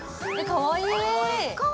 かわいい！